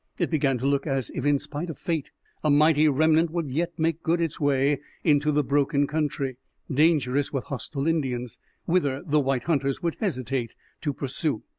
It began to look as if, in spite of Fate, a mighty remnant would yet make good its way into the broken country, dangerous with hostile Indians, whither the white hunters would hesitate to pursue.